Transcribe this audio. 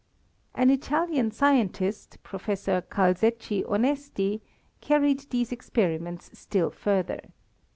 An Italian scientist, Professor Calzecchi Onesti, carried these experiments still further.